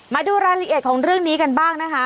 มาดูรายละเอียดของเรื่องนี้กันบ้างนะคะ